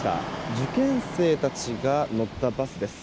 受験生たちが乗ったバスです。